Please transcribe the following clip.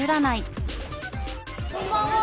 こんばんは。